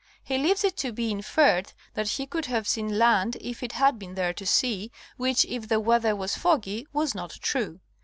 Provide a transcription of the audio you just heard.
He leaves it to be inferred that he could have seen land if it had been there to see, which if the weather was foggy was not true.